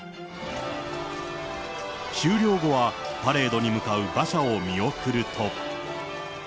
終了後は、パレードに向かう馬車を見送ると。